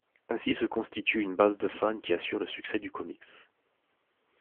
Ainsi se constitue une base de fans qui assurent le succès du comics.